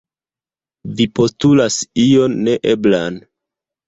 Vi postulas ion neeblan.